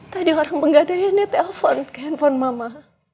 tadi orang penggadanya nye telepon ke handphone mama